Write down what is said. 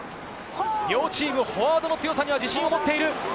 両チーム、フォワードの強さには自信を持っている。